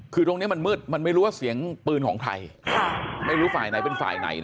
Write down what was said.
คือตรงนี้มันมืดมันไม่รู้ว่าเสียงปืนของใครไม่รู้ฝ่ายไหนเป็นฝ่ายไหนนะ